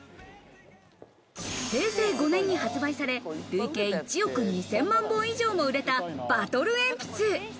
平成５年に発売され、累計１億２０００万本以上売れた、バトルえんぴつ。